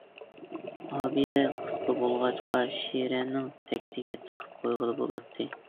ئابىدە قىسقا بولغاچقا شىرەنىڭ تەكتىگە تىقىپ قويغىلى بۇلاتتى.